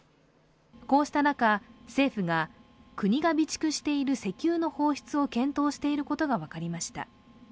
こうした中、政府が国が備蓄している石油の放出を検討していることが分かりました。